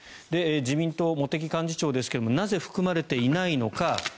自民党茂木幹事長ですがなぜ、含まれていないのか。